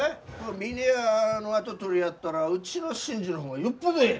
峰屋の跡取りやったらうちの伸治の方がよっぽどえい！